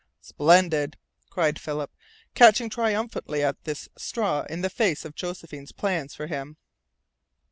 "Splendid!" cried Philip, catching triumphantly at this straw in the face of Josephine's plans for him.